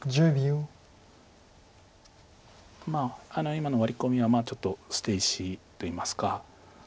今のワリコミはちょっと捨て石といいますか。